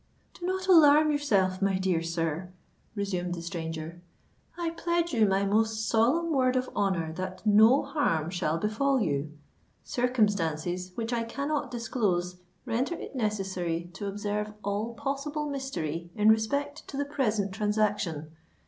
"Do not alarm yourself, my dear sir," resumed the stranger: "I pledge you my most solemn word of honour that no harm shall befall you. Circumstances which I cannot disclose render it necessary to observe all possible mystery in respect to the present transaction.